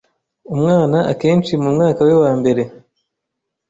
Umwana akenshi mu mwaka we wa mbere